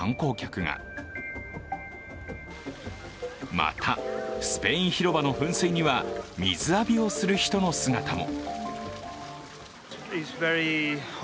また、スペイン広場の噴水には水浴びをする人の姿も。